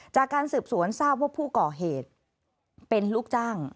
จากการสืบสวนทราบว่าผู้ก่อเหตุเป็นลูกจ้าง